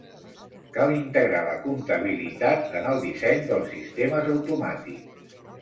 Cal integrar la comptabilitat en el disseny del sistemes automàtics.